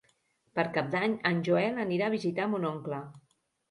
Per Cap d'Any en Joel anirà a visitar mon oncle.